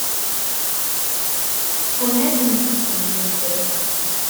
Ṭṭfen-asent-ten-id.